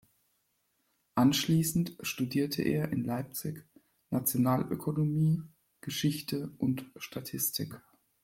Anschließend studierte er in Leipzig Nationalökonomie, Geschichte und Statistik.